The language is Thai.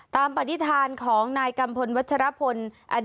ปฏิฐานของนายกัมพลวัชรพล